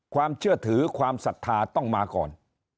ความเชื่อถือความศรัทธาต้องมาก่อน